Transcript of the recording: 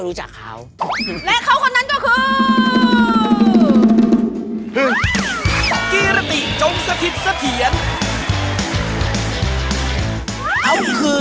แรกข้าวคนนั้นก็คือ